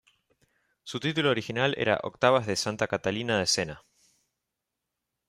Su título original era "Octavas de santa Catalina de Sena".